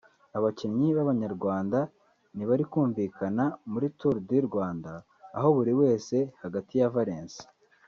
Abakinnyi b’abanyarwanda ntibari kumvikana muri Tour du Rwanda aho buri wese hagati ya Valens